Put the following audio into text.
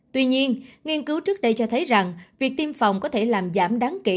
tuy nhiên nghiên cứu trước đây cho thấy rằng việc tiêm phòng có thể làm giảm đáng kể